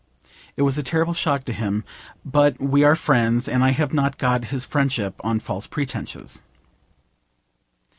It was a terrible shock to him, but we are friends, and I have not got his friendship on false pretences.